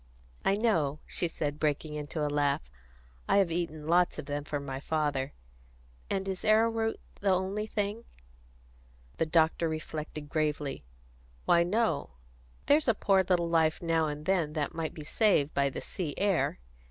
"I know," she said, breaking into a laugh. "I have eaten lots of them for my father. And is arrowroot the only thing?" The doctor reflected gravely. "Why, no. There's a poor little life now and then that might be saved by the sea air.